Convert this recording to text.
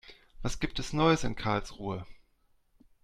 Was gibt es Neues in Karlsruhe?